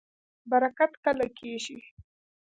برکت کله کیږي؟